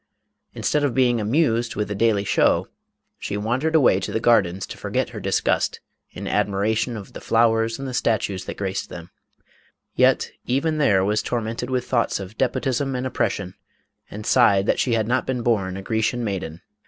Instead of being amused with the daily show, she wandered away to the gardens to forget her disgust in admiration of the flowers and the statues that graced them, yet even there, was tormented with thoughts of despotism and oppression, and sighed that she had not been born a Grecian maiden.